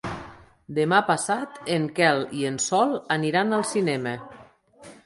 Demà passat en Quel i en Sol aniran al cinema.